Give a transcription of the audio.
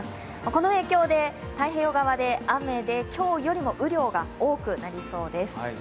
この影響で太平洋側で雨で今日よりも雨量が多くなりそうです。